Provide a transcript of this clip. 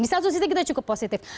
di satu sisi kita cukup positif